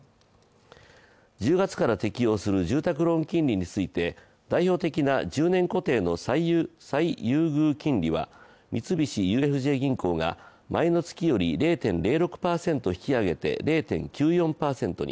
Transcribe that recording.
１０月から適用する住宅ローン金利について代表的な１０年固定の最優遇金利は、三菱ＵＦＪ銀行が前の月より０．０６％引き上げて０．９４％に。